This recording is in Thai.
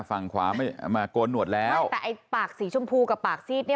ฝั่งขวาไม่เอามาโกนหนวดแล้วแต่ไอ้ปากสีชมพูกับปากซีดเนี่ย